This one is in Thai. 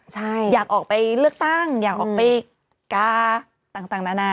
ใช่อยากออกไปเลือกตั้งอยากออกไปกาต่างนานา